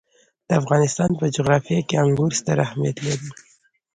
د افغانستان په جغرافیه کې انګور ستر اهمیت لري.